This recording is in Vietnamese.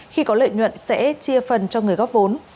khi có lợi nhuận sẽ chia phần cho người góp vốn